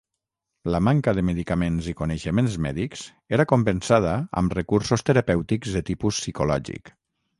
La manca de medicaments i coneixements mèdics era compensada amb recursos terapèutics de tipus psicològic.